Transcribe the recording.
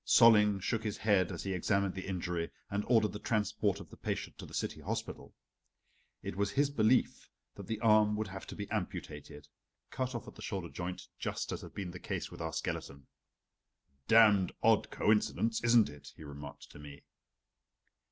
Solling shook his head as he examined the injury, and ordered the transport of the patient to the city hospital. It was his belief that the arm would have to be amputated, cut off at the shoulder joint, just as had been the case with our skeleton. "Damned odd coincidence, isn't it?" he remarked to me.